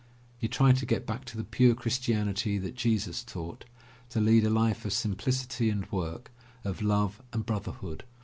He tried to get back to the pure Christianity that Jesus taught, to lead a life of simplicity and work, of love and brotherhood.